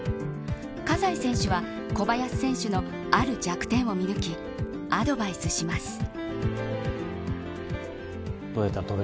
葛西選手は小林選手のある弱点を見抜きアドバイスします。